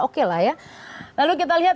oke lah ya lalu kita lihat